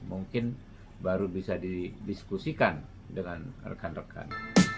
mungkin baru bisa didiskusikan dengan rekan rekan